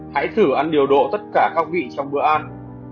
hãy thử ăn điều độ tất cả các vị trong bữa ăn